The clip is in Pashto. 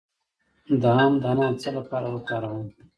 د ام دانه د څه لپاره وکاروم؟